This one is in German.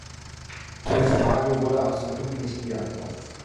Meine Frage wurde absolut nicht beantwortet.